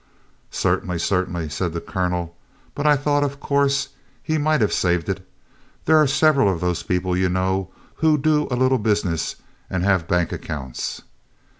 "Certainly, certainly," said the Colonel, "but I thought, of course, he might have saved it. There are several of those people, you know, who do a little business and have bank accounts."